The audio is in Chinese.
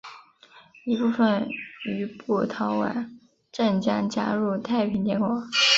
一部分余部逃往镇江加入太平天国。